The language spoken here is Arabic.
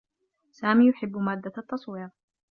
سامي يحبّ مادّة التّصوير.